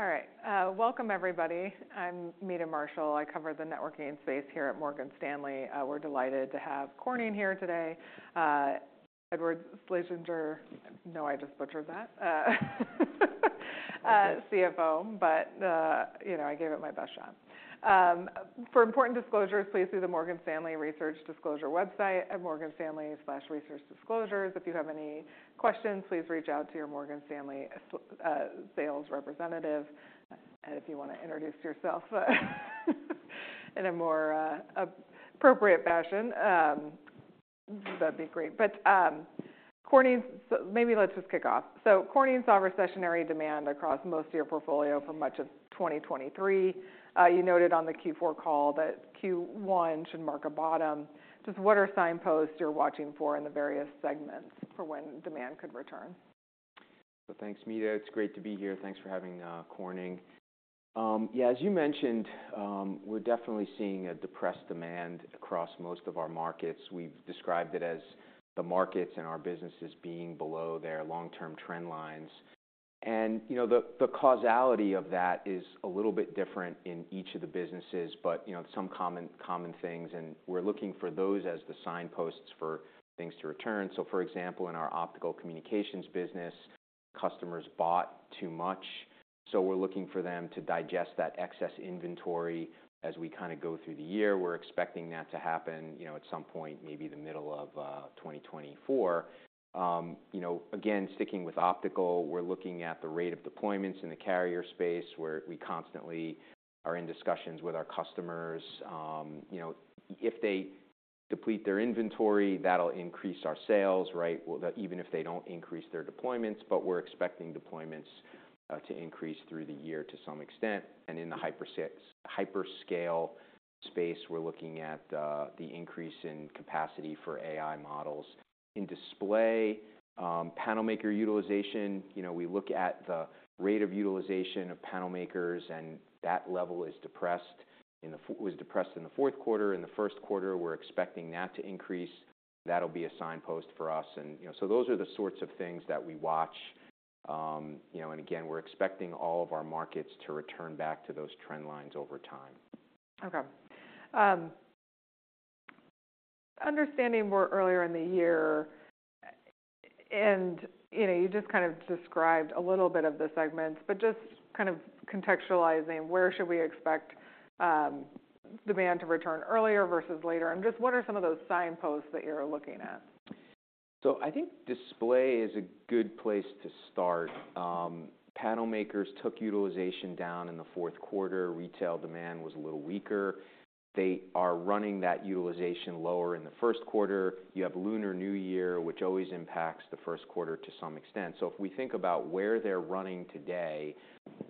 All right, welcome everybody. I'm Meta Marshall. I cover the networking space here at Morgan Stanley. We're delighted to have Corning here today. Edward Schlesinger. No, I just butchered that, CFO, but, you know, I gave it my best shot. For important disclosures, please see the Morgan Stanley Research Disclosure website at Morgan Stanley slash research disclosures. If you have any questions, please reach out to your Morgan Stanley sales representative. And if you want to introduce yourself in a more appropriate fashion, that'd be great. But, Corning, so maybe let's just kick off. So Corning saw recessionary demand across most of your portfolio for much of 2023. You noted on the Q4 call that Q1 should mark a bottom. Just what are signposts you're watching for in the various segments for when demand could return? So thanks, Meta. It's great to be here. Thanks for having Corning. Yeah, as you mentioned, we're definitely seeing a depressed demand across most of our markets. We've described it as the markets and our businesses being below their long-term trend lines. And, you know, the, the causality of that is a little bit different in each of the businesses, but, you know, some common, common things, and we're looking for those as the signposts for things to return. So for example, in our Optical Communications business, customers bought too much, so we're looking for them to digest that excess inventory as we kind of go through the year. We're expecting that to happen, you know, at some point, maybe the middle of 2024. You know, again, sticking with optical, we're looking at the rate of deployments in the carrier space, where we constantly are in discussions with our customers. You know, if they deplete their inventory, that'll increase our sales, right? Well, even if they don't increase their deployments, but we're expecting deployments to increase through the year to some extent. And in the hyperscale space, we're looking at the increase in capacity for AI models. In display, panel maker utilization, you know, we look at the rate of utilization of panel makers, and that level was depressed in the fourth quarter. In the first quarter, we're expecting that to increase. That'll be a signpost for us. And, you know, so those are the sorts of things that we watch. You know, and again, we're expecting all of our markets to return back to those trend lines over time. Okay. Understanding we're earlier in the year, and, you know, you just kind of described a little bit of the segments, but just kind of contextualizing, where should we expect, demand to return earlier versus later? And just what are some of those signposts that you're looking at? So I think display is a good place to start. Panel makers took utilization down in the fourth quarter. Retail demand was a little weaker. They are running that utilization lower in the first quarter. You have Lunar New Year, which always impacts the first quarter to some extent. So if we think about where they're running today,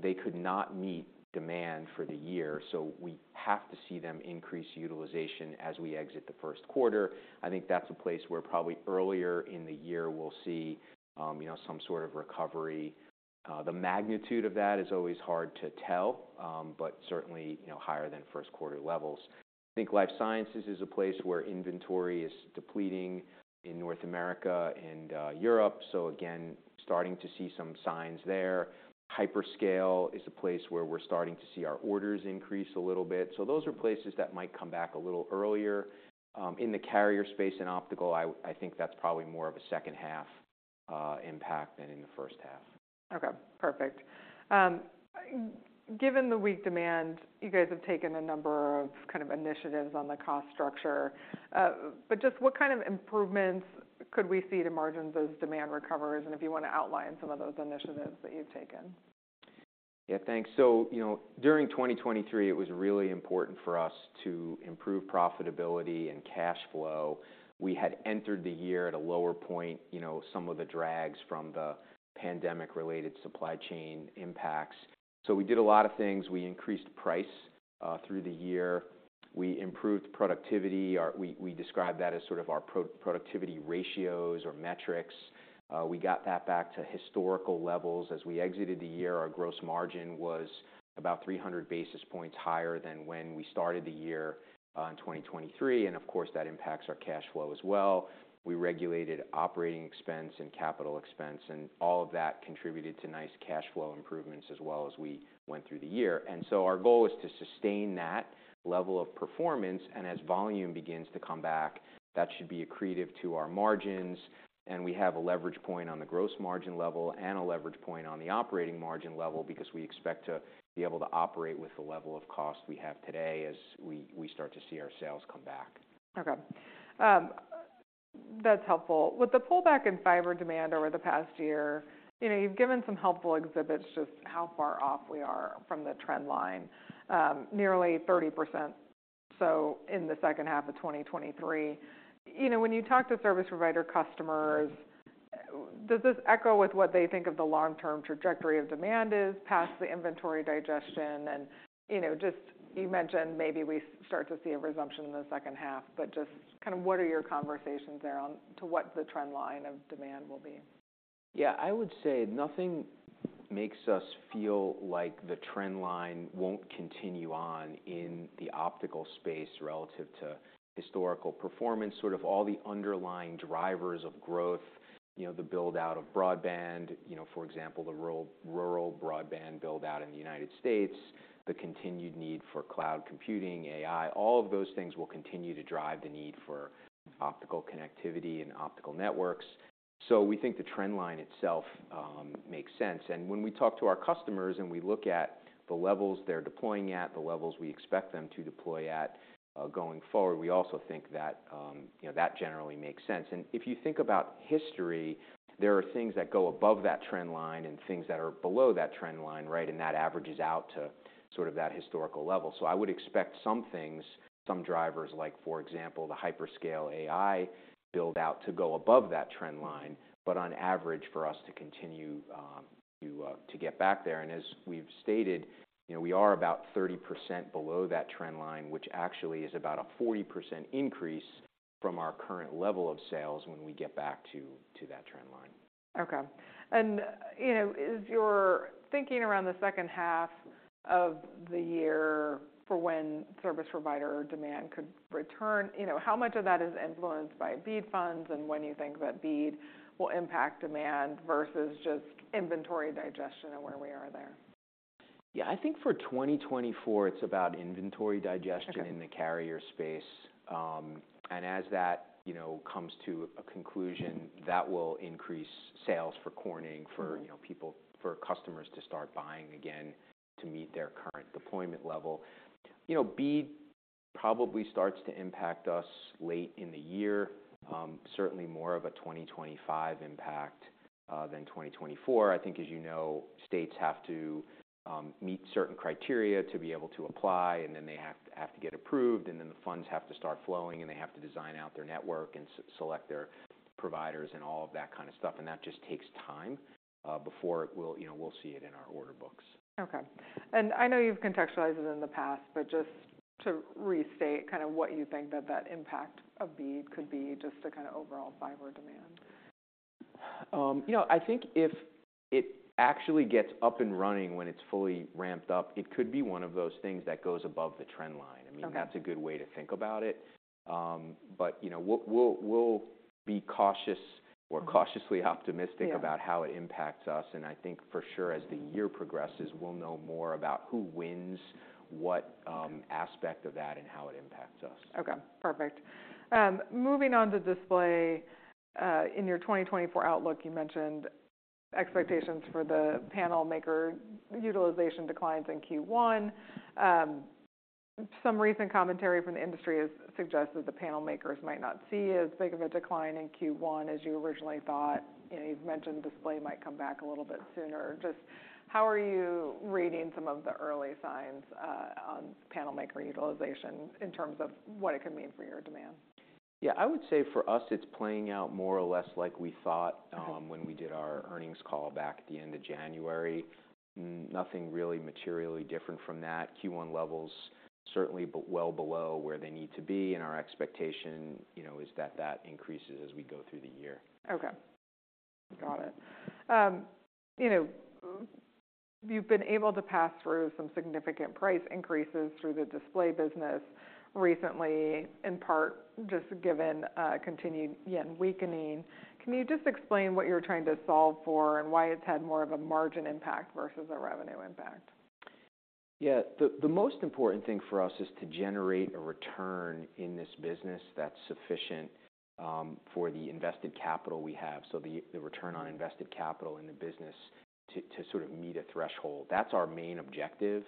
they could not meet demand for the year, so we have to see them increase utilization as we exit the first quarter. I think that's a place where probably earlier in the year, we'll see, you know, some sort of recovery. The magnitude of that is always hard to tell, but certainly, you know, higher than first quarter levels. I think Life Sciences is a place where inventory is depleting in North America and Europe. So again, starting to see some signs there. Hyperscale is a place where we're starting to see our orders increase a little bit. So those are places that might come back a little earlier. In the carrier space and optical, I, I think that's probably more of a second half, impact than in the first half. Okay, perfect. Given the weak demand, you guys have taken a number of kind of initiatives on the cost structure, but just what kind of improvements could we see to margins as demand recovers, and if you want to outline some of those initiatives that you've taken? Yeah, thanks. So, you know, during 2023, it was really important for us to improve profitability and cash flow. We had entered the year at a lower point, you know, some of the drags from the pandemic-related supply chain impacts. So we did a lot of things. We increased price through the year. We improved productivity. We describe that as sort of our pro-productivity ratios or metrics. We got that back to historical levels. As we exited the year, our gross margin was about 300 basis points higher than when we started the year, uh, in 2023, and of course, that impacts our cash flow as well. We regulated operating expense and capital expense, and all of that contributed to nice cash flow improvements, as well as we went through the year. And so our goal is to sustain that level of performance, and as volume begins to come back, that should be accretive to our margins. We have a leverage point on the gross margin level and a leverage point on the operating margin level because we expect to be able to operate with the level of cost we have today as we start to see our sales come back. Okay. That's helpful. With the pullback in fiber demand over the past year, you know, you've given some helpful exhibits just how far off we are from the trend line. Nearly 30%, so in the second half of 2023. You know, when you talk to service provider customers, does this echo with what they think of the long-term trajectory of demand is, past the inventory digestion? And, you know, just you mentioned maybe we start to see a resumption in the second half, but just kind of what are your conversations there on to what the trend line of demand will be?... Yeah, I would say nothing makes us feel like the trend line won't continue on in the optical space relative to historical performance. Sort of all the underlying drivers of growth, you know, the build-out of broadband, you know, for example, the rural broadband build-out in the United States, the continued need for cloud computing, AI, all of those things will continue to drive the need for optical connectivity and optical networks. So we think the trend line itself makes sense. And when we talk to our customers, and we look at the levels they're deploying at, the levels we expect them to deploy at, going forward, we also think that, you know, that generally makes sense. And if you think about history, there are things that go above that trend line and things that are below that trend line, right? And that averages out to sort of that historical level. So I would expect some things, some drivers, like for example, the Hyperscale AI build-out, to go above that trend line, but on average, for us to continue to get back there. And as we've stated, you know, we are about 30% below that trend line, which actually is about a 40% increase from our current level of sales when we get back to that trend line. Okay. And, you know, is your thinking around the second half of the year for when service provider demand could return, you know, how much of that is influenced by BEAD funds and when you think that BEAD will impact demand versus just inventory digestion and where we are there? Yeah, I think for 2024, it's about inventory digestion- Okay... in the carrier space. As that, you know, comes to a conclusion, that will increase sales for Corning-... for, you know, for customers to start buying again to meet their current deployment level. You know, BEAD probably starts to impact us late in the year, certainly more of a 2025 impact than 2024. I think, as you know, states have to meet certain criteria to be able to apply, and then they have to get approved, and then the funds have to start flowing, and they have to design out their network and select their providers and all of that kind of stuff. And that just takes time before it will you know, we'll see it in our order books. Okay. And I know you've contextualized it in the past, but just to restate kind of what you think that that impact of BEAD could be, just to kind of overall fiber demand? You know, I think if it actually gets up and running when it's fully ramped up, it could be one of those things that goes above the trend line. Okay. I mean, that's a good way to think about it. But, you know, we'll be cautious or cautiously optimistic-... about how it impacts us, and I think for sure, as the year progresses, we'll know more about who wins what. Okay... aspect of that and how it impacts us. Okay, perfect. Moving on to display, in your 2024 outlook, you mentioned expectations for the panel maker utilization declines in Q1. Some recent commentary from the industry has suggested the panel makers might not see as big of a decline in Q1 as you originally thought. You know, you've mentioned display might come back a little bit sooner. Just how are you reading some of the early signs on panel maker utilization in terms of what it could mean for your demand? Yeah, I would say for us, it's playing out more or less like we thought. Okay... when we did our earnings call back at the end of January. Nothing really materially different from that. Q1 levels, certainly well below where they need to be, and our expectation, you know, is that that increases as we go through the year. Okay. Got it. You know, you've been able to pass through some significant price increases through the display business recently, in part, just given, continued yen weakening. Can you just explain what you're trying to solve for and why it's had more of a margin impact versus a revenue impact? Yeah. The most important thing for us is to generate a return in this business that's sufficient for the invested capital we have, so the return on invested capital in the business to sort of meet a threshold. That's our main objective.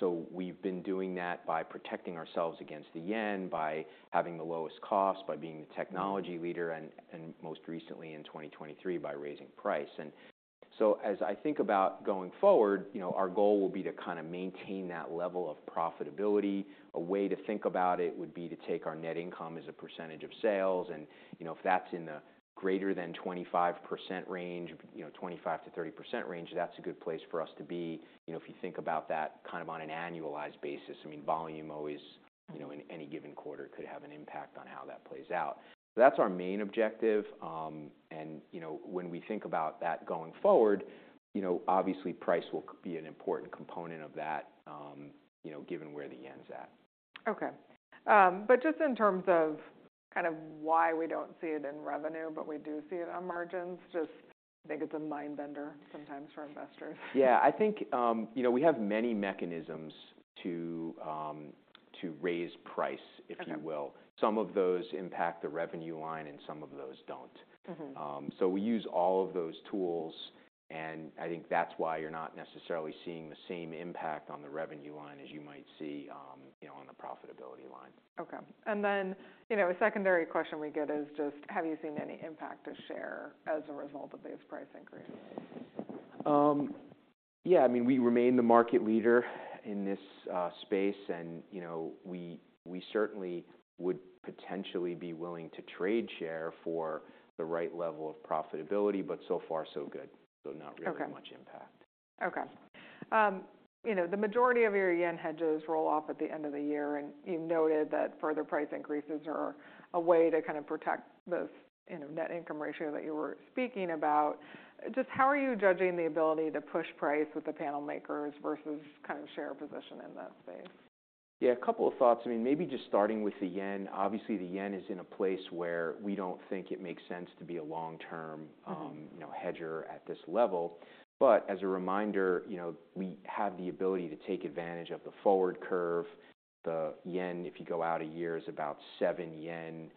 So we've been doing that by protecting ourselves against the yen, by having the lowest cost, by being the technology leader, and most recently in 2023, by raising price. And so as I think about going forward, you know, our goal will be to kinda maintain that level of profitability. A way to think about it would be to take our net income as a percentage of sales, and, you know, if that's in the greater than 25% range, you know, 25%-30% range, that's a good place for us to be. You know, if you think about that kind of on an annualized basis, I mean, volume always, you know, in any given quarter, could have an impact on how that plays out. That's our main objective. You know, when we think about that going forward, you know, obviously, price will be an important component of that, you know, given where the yen's at. Okay. But just in terms of kind of why we don't see it in revenue, but we do see it on margins, just think it's a mind bender sometimes for investors. Yeah, I think, you know, we have many mechanisms to raise price- Okay... if you will. Some of those impact the revenue line, and some of those don't. So we use all of those tools, and I think that's why you're not necessarily seeing the same impact on the revenue line as you might see, you know, on the profitability line. Okay. And then, you know, a secondary question we get is just, have you seen any impact to share as a result of these price increases? Yeah, I mean, we remain the market leader in this space, and, you know, we certainly would potentially be willing to trade share for the right level of profitability, but so far, so good. So not really- Okay... much impact.... Okay. You know, the majority of your yen hedges roll off at the end of the year, and you noted that further price increases are a way to kind of protect this, you know, net income ratio that you were speaking about. Just how are you judging the ability to push price with the panel makers versus kind of share position in that space? Yeah, a couple of thoughts. I mean, maybe just starting with the yen. Obviously, the yen is in a place where we don't think it makes sense to be a long-term, you know, hedger at this level. But as a reminder, you know, we have the ability to take advantage of the forward curve. The yen, if you go out a year, is about seven yen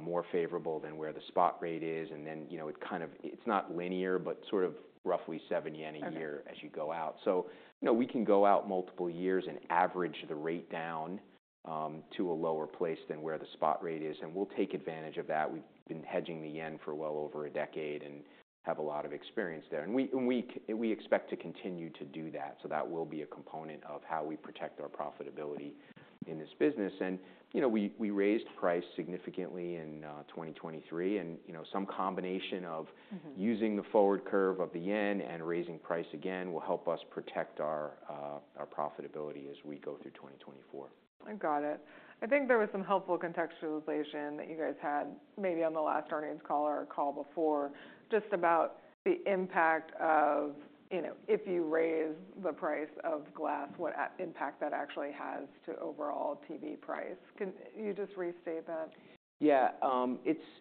more favorable than where the spot rate is, and then, you know, it kind of, it's not linear, but sort of roughly seven yen a year- Okay as you go out. So, you know, we can go out multiple years and average the rate down to a lower place than where the spot rate is, and we'll take advantage of that. We've been hedging the yen for well over a decade and have a lot of experience there. And we expect to continue to do that, so that will be a component of how we protect our profitability in this business. And, you know, we raised price significantly in 2023, and, you know, some combination of- -using the forward curve of the yen and raising price again will help us protect our profitability as we go through 2024. I got it. I think there was some helpful contextualization that you guys had, maybe on the last earnings call or call before, just about the impact of, you know, if you raise the price of glass, what an impact that actually has to overall TV price. Can you just restate that? Yeah.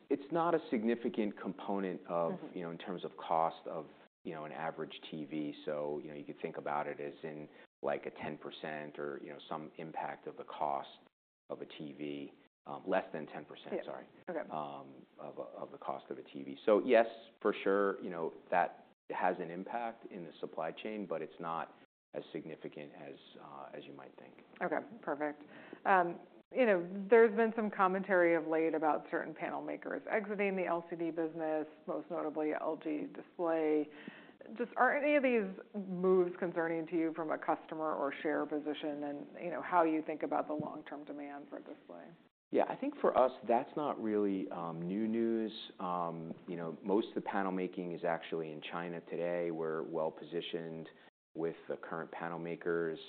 It's not a significant component of-... you know, in terms of cost of, you know, an average TV. So, you know, you could think about it as in like a 10% or, you know, some impact of the cost of a TV, less than 10%- Yeah... sorry. Okay. Of the cost of a TV. So yes, for sure, you know, that has an impact in the supply chain, but it's not as significant as you might think. Okay, perfect. You know, there's been some commentary of late about certain panel makers exiting the LCD business, most notably LG Display. Just are any of these moves concerning to you from a customer or share position? And, you know, how you think about the long-term demand for display? Yeah, I think for us, that's not really new news. You know, most of the panel making is actually in China today. We're well positioned with the current panel makers.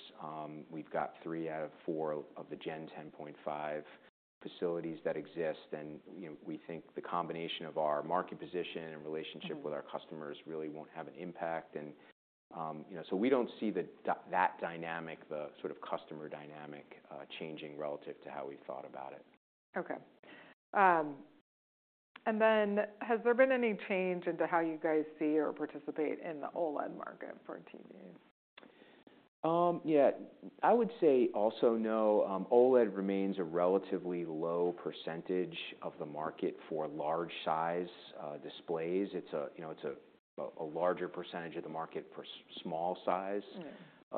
We've got three out of four of the Gen 10.5 facilities that exist, and, you know, we think the combination of our market position and relationship-... with our customers really won't have an impact. You know, so we don't see that dynamic, the sort of customer dynamic, changing relative to how we've thought about it. Okay. Has there been any change in how you guys see or participate in the OLED market for TVs? Yeah, I would say also, no. OLED remains a relatively low percentage of the market for large size displays. It's, you know, a larger percentage of the market for small size-...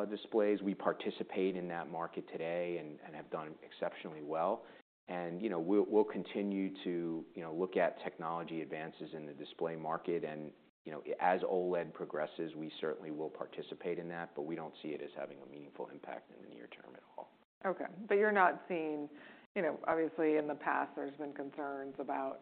displays. We participate in that market today and have done exceptionally well. And, you know, we'll continue to, you know, look at technology advances in the display market. And, you know, as OLED progresses, we certainly will participate in that, but we don't see it as having a meaningful impact in the near term at all. Okay. But you're not seeing... You know, obviously, in the past, there's been concerns about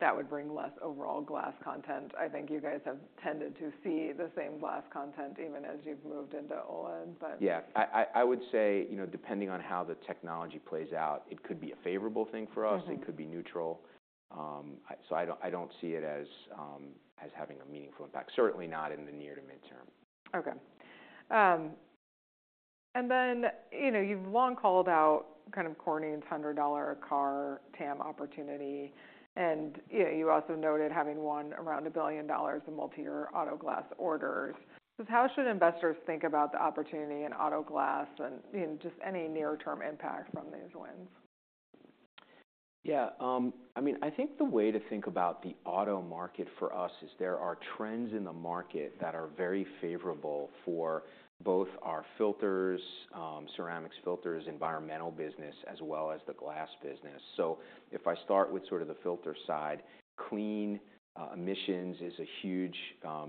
that would bring less overall glass content. I think you guys have tended to see the same glass content even as you've moved into OLED, but- Yeah. I would say, you know, depending on how the technology plays out, it could be a favorable thing for us. It could be neutral. So I don't see it as having a meaningful impact, certainly not in the near to midterm. Okay. And then, you know, you've long called out kind of Corning's 100-dollar-a-car TAM opportunity, and, you know, you also noted having won around $1 billion in multi-year auto glass orders. Just how should investors think about the opportunity in auto glass and, you know, just any near-term impact from these wins? Yeah, I mean, I think the way to think about the auto market for us is there are trends in the market that are very favorable for both our filters, ceramics filters, environmental business, as well as the glass business. So if I start with sort of the filter side, clean emissions is a huge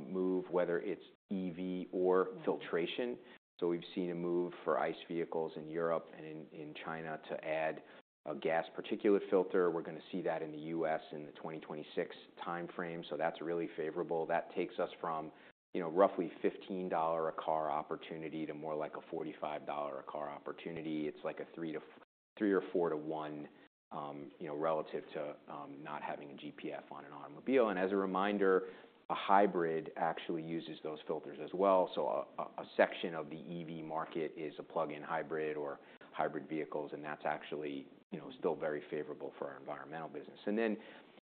move, whether it's EV or filtration. So we've seen a move for ICE vehicles in Europe and in China to add a gas particulate filter. We're gonna see that in the U.S. in the 2026 timeframe, so that's really favorable. That takes us from, you know, roughly $15 a car opportunity to more like a $45 a car opportunity. It's like a 3- or 4-to-1, you know, relative to not having a GPF on an automobile. As a reminder, a hybrid actually uses those filters as well. So a section of the EV market is a plug-in hybrid or hybrid vehicles, and that's actually, you know, still very favorable for our environmental business. And then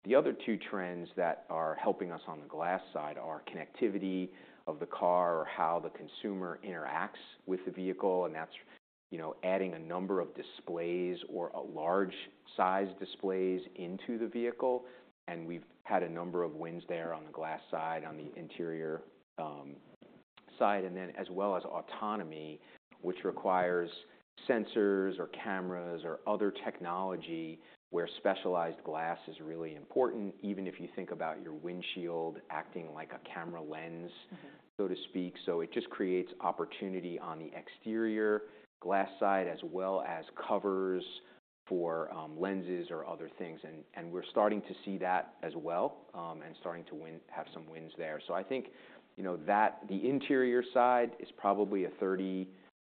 the other two trends that are helping us on the glass side are connectivity of the car or how the consumer interacts with the vehicle, and that's, you know, adding a number of displays or a large size displays into the vehicle, and we've had a number of wins there on the glass side, on the interior side. And then as well as autonomy, which requires sensors or cameras or other technology, where specialized glass is really important, even if you think about your windshield acting like a camera lens.... so to speak. So it just creates opportunity on the exterior glass side as well as covers for lenses or other things, and we're starting to see that as well, and starting to have some wins there. So I think, you know, that the interior side is probably a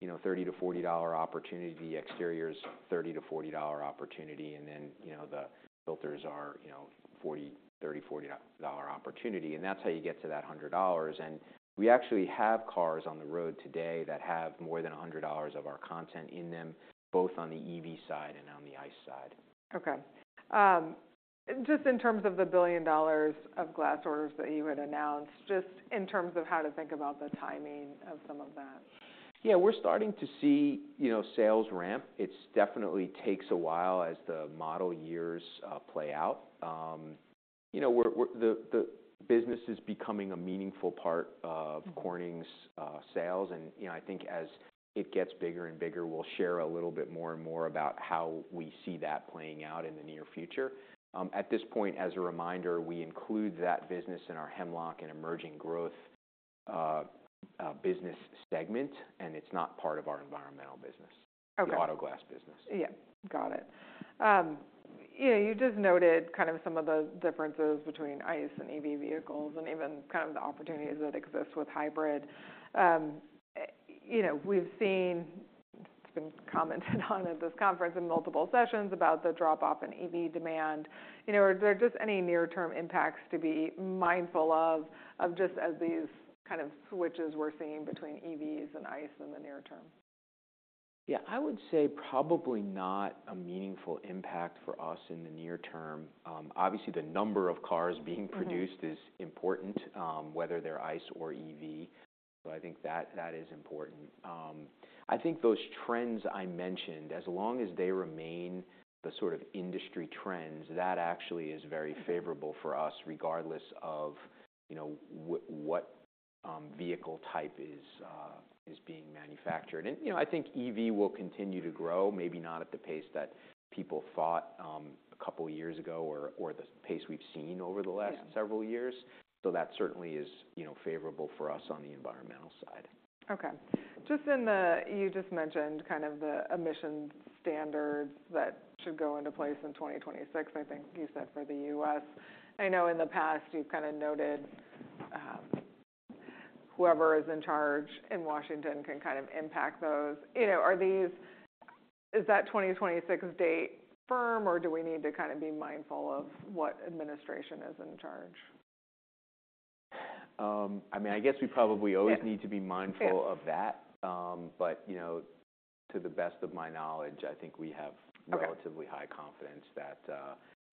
$30-$40 opportunity. The exterior is $30-$40 opportunity, and then, you know, the filters are, you know, $30-$40 opportunity, and that's how you get to that $100. And we actually have cars on the road today that have more than $100 of our content in them, both on the EV side and on the ICE side. Okay. Just in terms of the $1 billion of glass orders that you had announced, just in terms of how to think about the timing of some of that. Yeah, we're starting to see, you know, sales ramp. It's definitely takes a while as the model years play out. You know, we're the business is becoming a meaningful part of-... Corning's sales. And, you know, I think as it gets bigger and bigger, we'll share a little bit more and more about how we see that playing out in the near future. At this point, as a reminder, we include that business in our Hemlock and Emerging Growth business segment, and it's not part of our environmental business. Okay. The Automotive Glass business. Yeah, got it. Yeah, you just noted kind of some of the differences between ICE and EV vehicles and even kind of the opportunities that exist with hybrid. You know, we've seen, it's been commented on at this conference in multiple sessions about the drop-off in EV demand. You know, are there just any near-term impacts to be mindful of, of just as these kind of switches we're seeing between EVs and ICE in the near term? Yeah. I would say probably not a meaningful impact for us in the near term. Obviously, the number of cars being produced-... is important, whether they're ICE or EV, so I think that, that is important. I think those trends I mentioned, as long as they remain the sort of industry trends, that actually is very favorable for us, regardless of, you know, what, what, vehicle type is, is being manufactured. And, you know, I think EV will continue to grow, maybe not at the pace that people thought, a couple of years ago or, or the pace we've seen over the last- Yeah... several years. So that certainly is, you know, favorable for us on the environmental side. Okay. Just in the... You just mentioned kind of the emissions standards that should go into place in 2026, I think you said, for the U.S. I know in the past you've kind of noted, whoever is in charge in Washington can kind of impact those. You know, is that 2026 date firm, or do we need to kind of be mindful of what administration is in charge? I mean, I guess we probably always- Yeah... need to be mindful of that. Yeah. but, you know, to the best of my knowledge, I think we have- Okay... relatively high confidence that,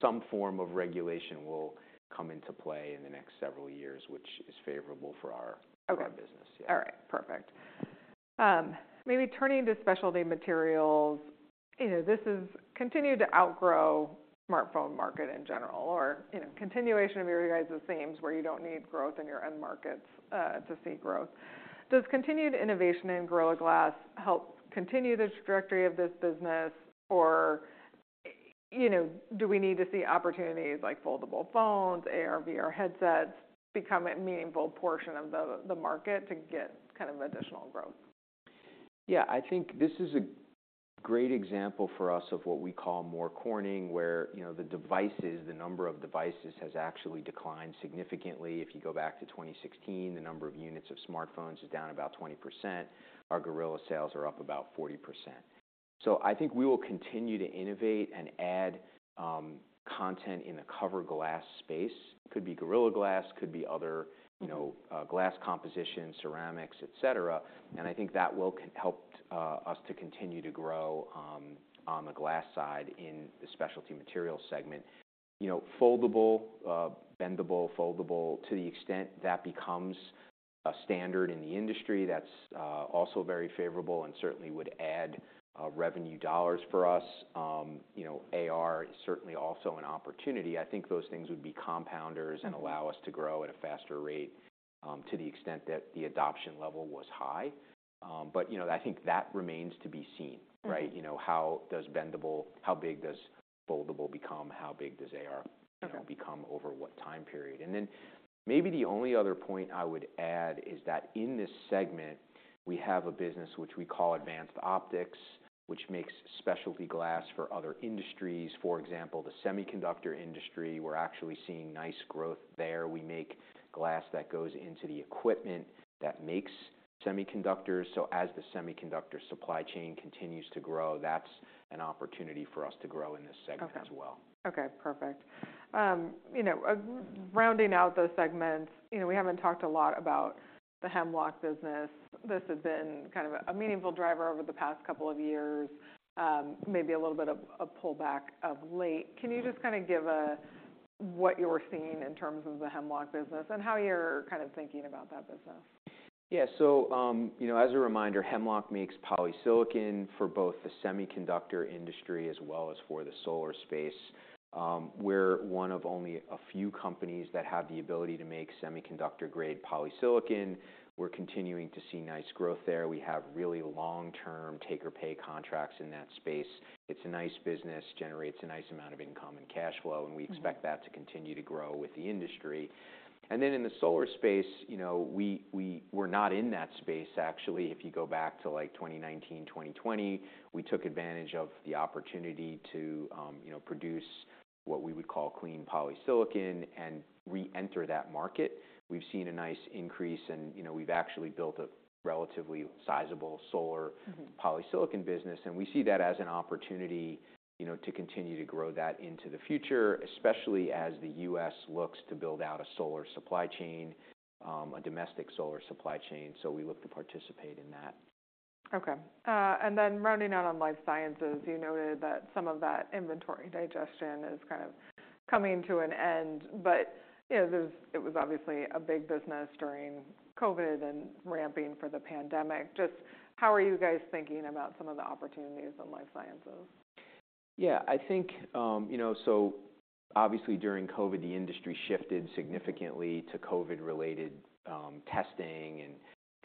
some form of regulation will come into play in the next several years, which is favorable for our- Okay... for our business. Yeah. All right. Perfect. Maybe turning to Specialty Materials, you know, this has continued to outgrow smartphone market in general, or, you know, continuation of your guys' themes, where you don't need growth in your end markets, to see growth. Does continued innovation in Gorilla Glass help continue the trajectory of this business? Or, you know, do we need to see opportunities like foldable phones, AR/VR headsets, become a meaningful portion of the market to get kind of additional growth? Yeah, I think this is a great example for us of what we call more Corning, where, you know, the devices, the number of devices, has actually declined significantly. If you go back to 2016, the number of units of smartphones is down about 20%. Our Gorilla sales are up about 40%. So I think we will continue to innovate and add content in the cover glass space. Could be Gorilla Glass, could be other, you know, glass composition, ceramics, et cetera. And I think that will help us to continue to grow on the glass side in the Specialty Materials segment. You know, foldable, bendable, foldable, to the extent that becomes a standard in the industry, that's also very favorable and certainly would add revenue dollars for us. You know, AR is certainly also an opportunity. I think those things would be compounders-... and allow us to grow at a faster rate, to the extent that the adoption level was high. But, you know, I think that remains to be seen, right? You know, how big does foldable become? How big does AR- Okay... you know, become over what time period? And then maybe the only other point I would add is that in this segment, we have a business which we call Advanced Optics, which makes specialty glass for other industries. For example, the semiconductor industry, we're actually seeing nice growth there. We make glass that goes into the equipment that makes semiconductors. So as the semiconductor supply chain continues to grow, that's an opportunity for us to grow in this segment as well. Okay, perfect. You know, rounding out those segments, you know, we haven't talked a lot about the Hemlock business. This has been kind of a meaningful driver over the past couple of years, maybe a little bit of a pullback of late. Can you just kind of give what you're seeing in terms of the Hemlock business and how you're kind of thinking about that business? Yeah. So, you know, as a reminder, Hemlock makes polysilicon for both the semiconductor industry as well as for the solar space. We're one of only a few companies that have the ability to make semiconductor-grade polysilicon. We're continuing to see nice growth there. We have really long-term take-or-pay contracts in that space. It's a nice business, generates a nice amount of income and cash flow.... and we expect that to continue to grow with the industry. And then in the solar space, you know, we were not in that space, actually. If you go back to, like, 2019, 2020, we took advantage of the opportunity to, you know, produce what we would call clean polysilicon and re-enter that market. We've seen a nice increase, and, you know, we've actually built a relatively sizable solar- - polysilicon business, and we see that as an opportunity, you know, to continue to grow that into the future, especially as the U.S. looks to build out a solar supply chain, a domestic solar supply chain. So we look to participate in that. Okay. And then rounding out on life sciences, you noted that some of that inventory digestion is kind of coming to an end, but, you know, it was obviously a big business during COVID and ramping for the pandemic. Just how are you guys thinking about some of the opportunities in life sciences? Yeah, I think, you know, so obviously during COVID, the industry shifted significantly to COVID-related testing and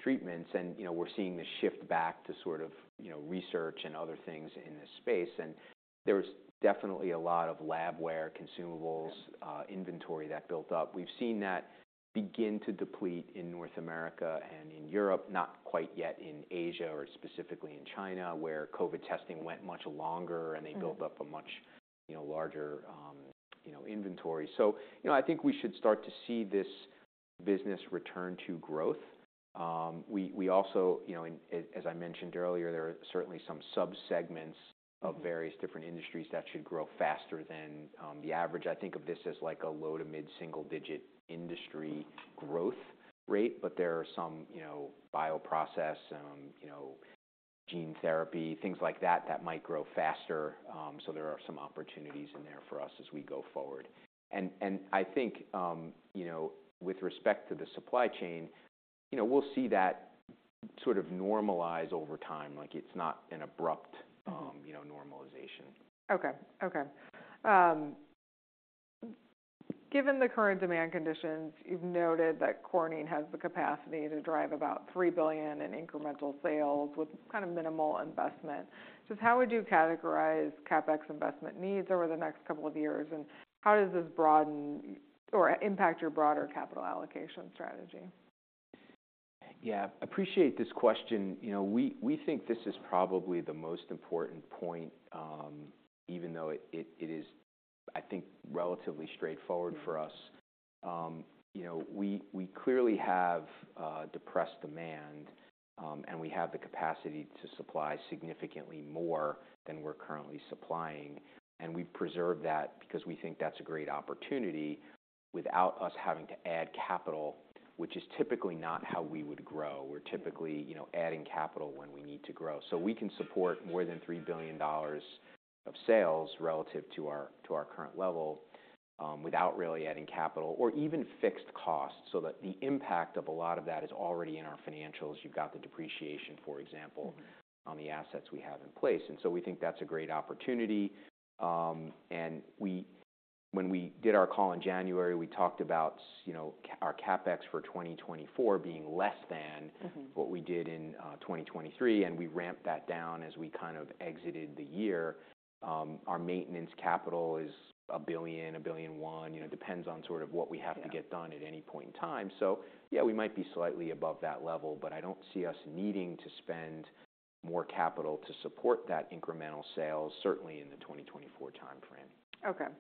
treatments. You know, we're seeing the shift back to sort of, you know, research and other things in this space. There's definitely a lot of labware, consumables- Right... inventory that built up. We've seen that begin to deplete in North America and in Europe, not quite yet in Asia or specifically in China, where COVID testing went much longer-... and they built up a much, you know, larger, you know, inventory. So, you know, I think we should start to see this business return to growth. We also, you know, and as I mentioned earlier, there are certainly some subsegments of various different industries that should grow faster than the average. I think of this as like a low to mid-single-digit industry growth rate. But there are some, you know, bioprocess, you know, gene therapy, things like that, that might grow faster. So there are some opportunities in there for us as we go forward. And I think, you know, with respect to the supply chain, you know, we'll see that sort of normalize over time. Like, it's not an abrupt-... you know, normalization. Okay. Okay, given the current demand conditions, you've noted that Corning has the capacity to drive about $3 billion in incremental sales with kind of minimal investment. Just how would you categorize CapEx investment needs over the next couple of years, and how does this broaden or impact your broader capital allocation strategy? Yeah, appreciate this question. You know, we think this is probably the most important point, even though it is, I think, relatively straightforward for us. You know, we clearly have depressed demand, and we have the capacity to supply significantly more than we're currently supplying, and we preserve that because we think that's a great opportunity without us having to add capital, which is typically not how we would grow. We're typically, you know, adding capital when we need to grow. So we can support more than $3 billion of sales relative to our current level, without really adding capital or even fixed costs, so that the impact of a lot of that is already in our financials. You've got the depreciation, for example-... on the assets we have in place, and so we think that's a great opportunity. And when we did our call in January, we talked about, you know, our CapEx for 2024 being less than-... what we did in 2023, and we ramped that down as we kind of exited the year. Our maintenance capital is $1 billion-$1.001 billion, you know, depends on sort of what we have- Yeah... to get done at any point in time. So yeah, we might be slightly above that level, but I don't see us needing to spend more capital to support that incremental sales, certainly in the 2024 timeframe. Okay.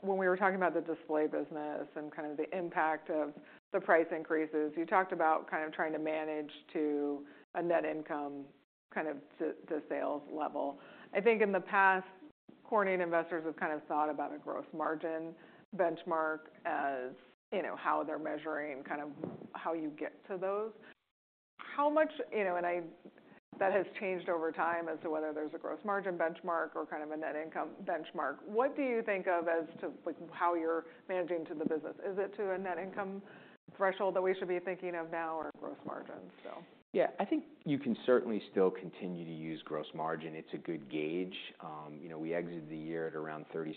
When we were talking about the display business and kind of the impact of the price increases, you talked about kind of trying to manage to a net income, kind of to, to sales level. I think in the past, Corning investors have kind of thought about a gross margin benchmark as, you know, how they're measuring, kind of how you get to those. That has changed over time as to whether there's a gross margin benchmark or kind of a net income benchmark. What do you think of as to, like, how you're managing to the business? Is it to a net income threshold that we should be thinking of now or gross margins, so? Yeah, I think you can certainly still continue to use gross margin. It's a good gauge. You know, we exited the year at around 37%,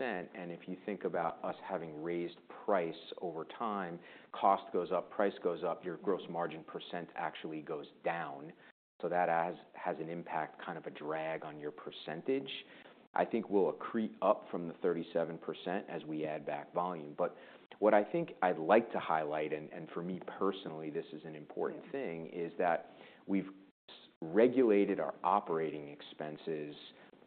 and if you think about us having raised price over time, cost goes up, price goes up-... your gross margin percent actually goes down. So that has an impact, kind of a drag on your percentage. I think we'll accrete up from the 37% as we add back volume. But what I think I'd like to highlight, and for me personally, this is an important thing, is that we've regulated our operating expenses,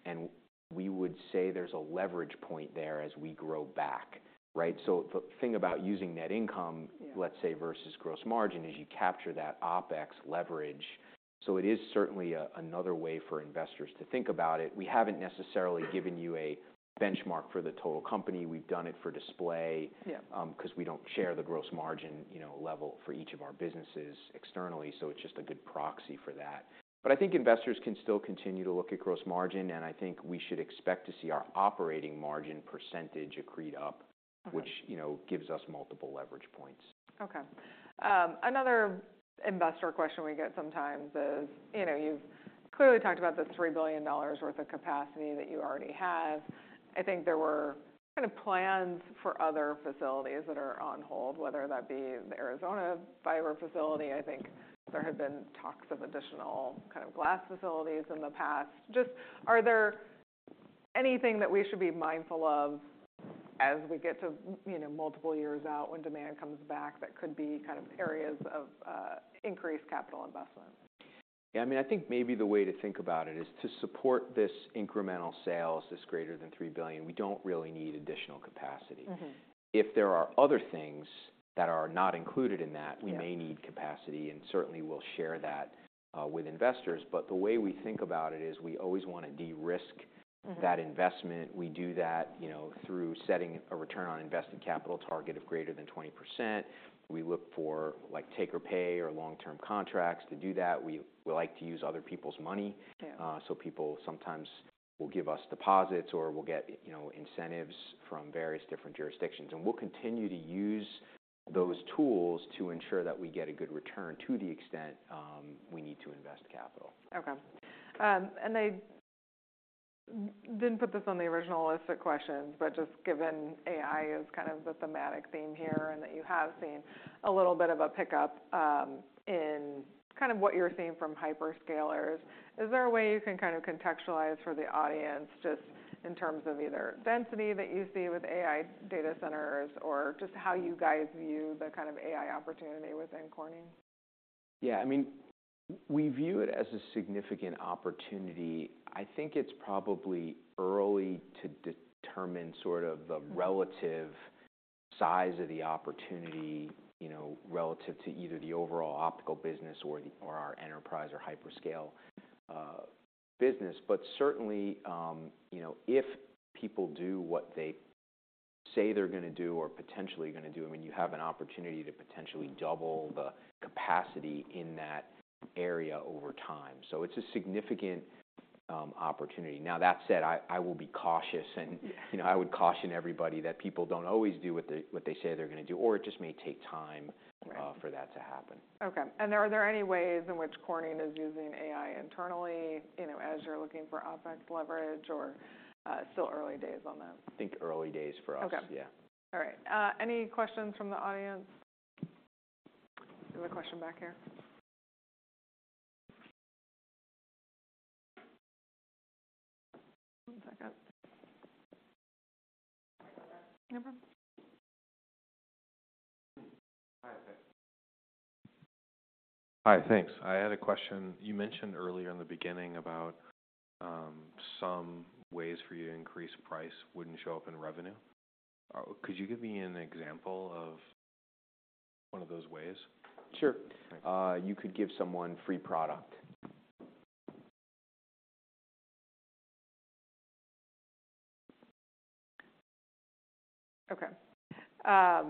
and we would say there's a leverage point there as we grow back, right? So the thing about using net income- Yeah... let's say, versus gross margin, is you capture that OpEx leverage. So it is certainly a, another way for investors to think about it. We haven't necessarily given you a benchmark for the total company. We've done it for display- Yeah... 'cause we don't share the gross margin, you know, level for each of our businesses externally, so it's just a good proxy for that. But I think investors can still continue to look at gross margin, and I think we should expect to see our operating margin percentage accrete up- Okay... which, you know, gives us multiple leverage points. Okay. Another investor question we get sometimes is, you know, you've clearly talked about the $3 billion worth of capacity that you already have. I think there were kind of plans for other facilities that are on hold, whether that be the Arizona fiber facility. I think there have been talks of additional kind of glass facilities in the past. Just are there anything that we should be mindful of as we get to, you know, multiple years out when demand comes back, that could be kind of areas of increased capital investment? Yeah, I mean, I think maybe the way to think about it is to support this incremental sales, this greater than $3 billion, we don't really need additional capacity. If there are other things that are not included in that- Yeah - we may need capacity, and certainly, we'll share that with investors. But the way we think about it is, we always want to de-risk- that investment. We do that, you know, through setting a return on invested capital target of greater than 20%. We look for, like, take or pay or long-term contracts. To do that, we like to use other people's money. Yeah. People sometimes will give us deposits, or we'll get, you know, incentives from various different jurisdictions. We'll continue to use those tools to ensure that we get a good return to the extent we need to invest capital. Okay. And I didn't put this on the original list of questions, but just given AI as kind of the thematic theme here, and that you have seen a little bit of a pickup, in kind of what you're seeing from hyperscalers, is there a way you can kind of contextualize for the audience, just in terms of either density that you see with AI data centers, or just how you guys view the kind of AI opportunity within Corning? Yeah. I mean, we view it as a significant opportunity. I think it's probably early to determine sort of the relative size of the opportunity, you know, relative to either the overall optical business or our enterprise or Hyperscale business. But certainly, you know, if people do what they say they're gonna do or potentially gonna do, I mean, you have an opportunity to potentially double the capacity in that area over time. So it's a significant opportunity. Now, that said, I, I will be cautious, and - Yeah... you know, I would caution everybody that people don't always do what they say they're gonna do, or it just may take time. Right for that to happen. Okay. And are there any ways in which Corning is using AI internally, you know, as you're looking for OpEx leverage, or, still early days on that? I think early days for us. Okay. Yeah. All right. Any questions from the audience? There's a question back here. One second. No problem. Hi, thanks. I had a question. You mentioned earlier in the beginning about some ways for you to increase price wouldn't show up in revenue. Could you give me an example of one of those ways? Sure. Thanks. You could give someone free product. Okay. All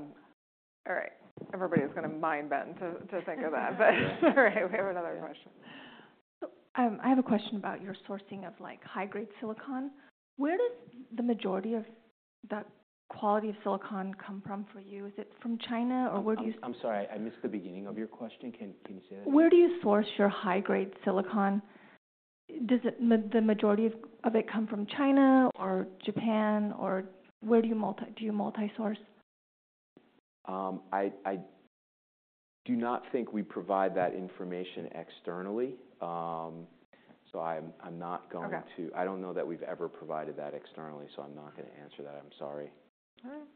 right. Everybody's gonna mind bend to think of that. Yeah. All right, we have another question. I have a question about your sourcing of, like, high-grade silicon. Where does the majority of that quality of silicon come from for you? Is it from China, or where do you- I'm sorry, I missed the beginning of your question. Can you say that again? Where do you source your high-grade silicon? Does the majority of it come from China or Japan, or where do you multi-source? I do not think we provide that information externally. So I'm not going to- Okay. I don't know that we've ever provided that externally, so I'm not gonna answer that. I'm sorry. All right.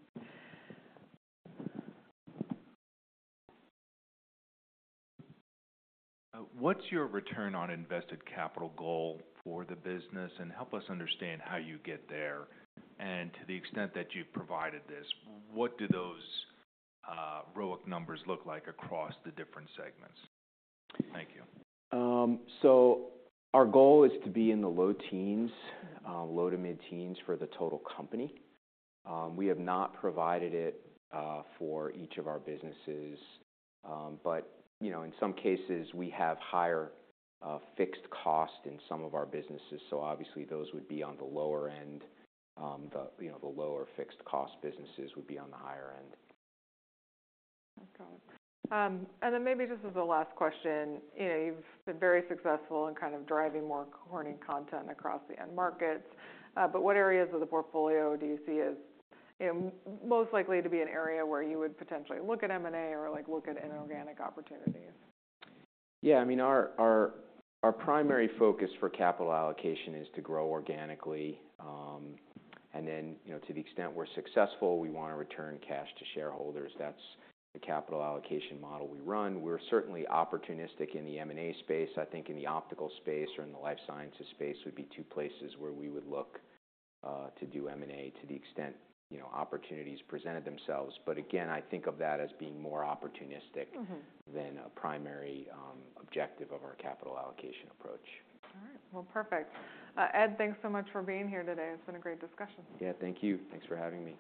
What's your return on invested capital goal for the business? And help us understand how you get there. And to the extent that you've provided this, what do those ROIC numbers look like across the different segments? Thank you. So our goal is to be in the low teens, low to mid-teens for the total company. We have not provided it, for each of our businesses. But, you know, in some cases, we have higher, fixed costs in some of our businesses, so obviously, those would be on the lower end. You know, the lower fixed cost businesses would be on the higher end. Okay. Then maybe this is the last question. You know, you've been very successful in kind of driving more Corning content across the end markets, but what areas of the portfolio do you see as, you know, most likely to be an area where you would potentially look at M&A or, like, look at inorganic opportunities? Yeah, I mean, our primary focus for capital allocation is to grow organically. And then, you know, to the extent we're successful, we want to return cash to shareholders. That's the capital allocation model we run. We're certainly opportunistic in the M&A space. I think in the optical space or in the life sciences space would be two places where we would look to do M&A, to the extent, you know, opportunities presented themselves. But again, I think of that as being more opportunistic- Mm-hmm... than a primary objective of our capital allocation approach. All right. Well, perfect. Ed, thanks so much for being here today. It's been a great discussion. Yeah. Thank you. Thanks for having me.